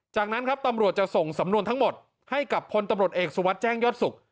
จากนั้นครับตำรวจจะส่งสำนวนทั้งหมดให้กับพลตำรวจเอกสุวัสดิ์แจ้งยอดสุข